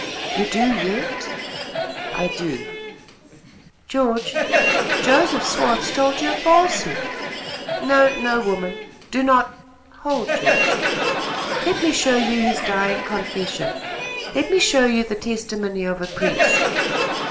"You do yet?" "I do." "George, Joseph Swartz told you a falsehood." "No, no, woman, do not " "Hold, George; let me show you his dying confession. Let me show you the testimony of a priest."